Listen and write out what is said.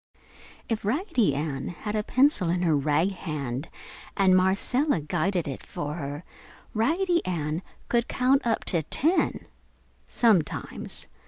If Raggedy Ann had a pencil in her rag hand and Marcella guided it for her, Raggedy Ann could count up to ten sometimes.